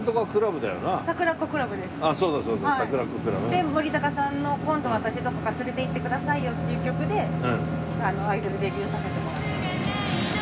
で森高さんの『今度私どこか連れていって下さいよ』っていう曲でアイドルデビューさせてもらった。